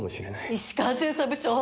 石川巡査部長！